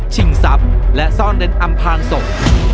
ชิงซับและซ่อนเดินอำพางศก